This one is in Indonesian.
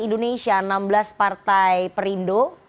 nomor enam belas adalah partai perindu